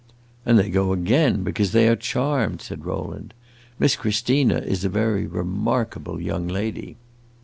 "And they go again because they are charmed," said Rowland. "Miss Christina is a very remarkable young lady."